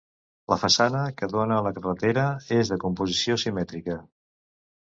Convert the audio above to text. La façana que dóna a la carretera és de composició simètrica.